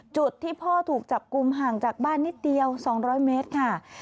จุดที่พ่อถูกจับกลุ่มห่างจากบ้านนิดเดียว๒๐๐เมตรค่ะ